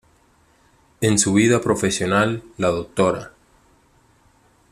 En su vida profesional la Dra.